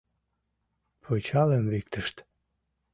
Пычалым виктышт.